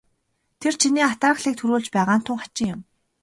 Тэр чиний атаархлыг төрүүлж байгаа нь тун хачин юм.